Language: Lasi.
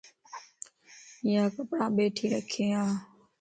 يا ڪپڙا ٻيٺي رک ا